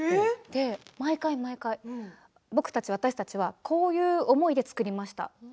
毎回毎回、僕たち私たちはこういう思いで作りました。